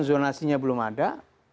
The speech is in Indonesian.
zonasinya belum ada